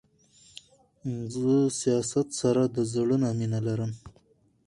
زه سياست د سره د زړه نه مينه لرم.